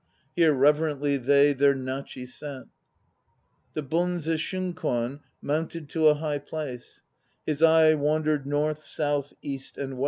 Here reverently they their Nachi set. The Bonze Shunkwan mounted to a high place; His eye wandered north, south, east and west.